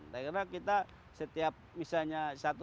karena kita setiap misalnya satu tonnya harganya seratus dolar